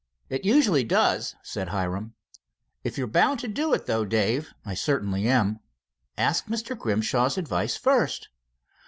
"It usually does," said Hiram. "If you're bound to do it, though, Dave " "I certainly am." "Ask Mr. Grimshaw's advice, first."